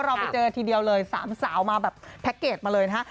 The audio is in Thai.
เราไปเจอทีเดียวเลย๓สาวมาแบบแพ็คเกจมาเลยนะฮะ